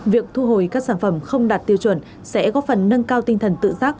việc thu hồi các sản phẩm không đạt tiêu chuẩn sẽ góp phần nâng cao tinh thần tự giác